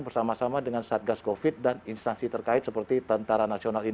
bersama sama dengan satgas covid dan instansi terkait seperti tentara nasional